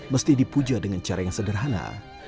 mesti dipuja dengan cara yang sederhana